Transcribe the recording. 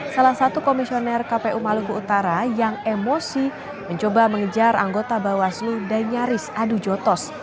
salah satu komisioner kpu maluku utara yang emosi mencoba mengejar anggota bawaslu dan nyaris adu jotos